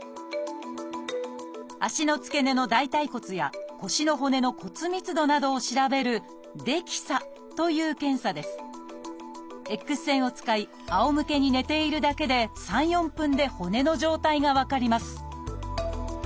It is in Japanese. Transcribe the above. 足の付け根の大腿骨や腰の骨の骨密度などを調べるＸ線を使いあおむけに寝ているだけで３４分で骨の状態が分かります